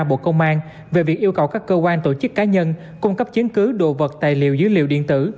bộ công an về việc yêu cầu các cơ quan tổ chức cá nhân cung cấp chứng cứ đồ vật tài liệu dữ liệu điện tử